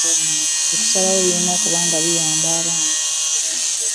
Bye tusalawo birina kuba nga biyamba baana.